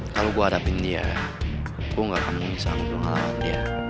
kalau gue hadapin dia gue gak mau sama apel ngalaman dia